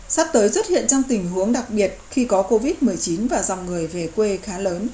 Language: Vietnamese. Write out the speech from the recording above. sắp tới xuất hiện trong tình huống đặc biệt khi có covid một mươi chín và dòng người về quê khá lớn